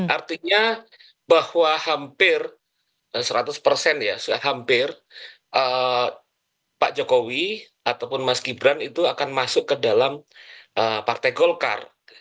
artinya bahwa hampir seratus persen ya hampir pak jokowi ataupun mas gibran itu akan masuk ke dalam partai golkar